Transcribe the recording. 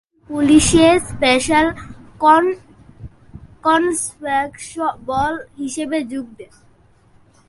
তিনি কেন্ট পুলিশে special constable হিসেবে যোগ দেন।